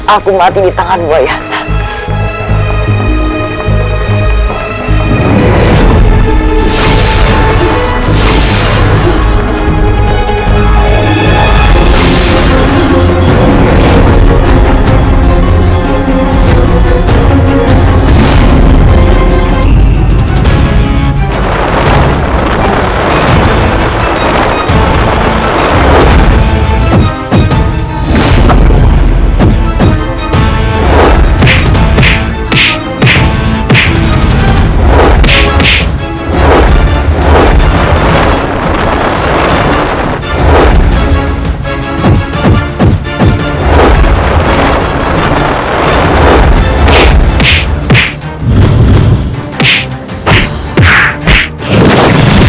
aku mati di tanganmu ayahanda